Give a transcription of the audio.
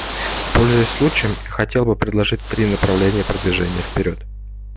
Пользуясь случаем, я хотел бы предложить три направления продвижения вперед.